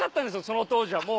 その当時はもう。